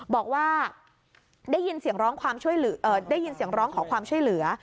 บอกว่าได้ยินเสียงร้องของความช่วยเหลือ